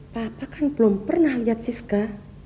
papa kan belum pernah lihat siska